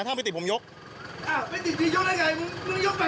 ถ้าไม่ติดผมยกอ้าวไม่ติดพี่ยกได้ไงมึงมึงยกไป